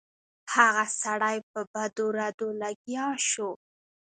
هغه سړی په بدو ردو لګیا شو.